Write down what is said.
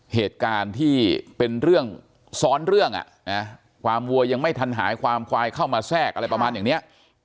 เหตุการณ์ที่เป็นเรื่องซ้อนเรื่องความวัวยังไม่ทันหายความควายเข้ามาแทรกอะไรประมาณอย่างนี้